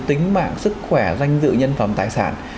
tính mạng sức khỏe danh dự nhân phẩm tài sản